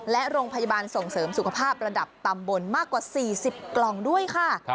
และโรงพยาบาลส่งเสริมสุขภาพระดับตำบลมากกว่า๔๐กล่องด้วยค่ะ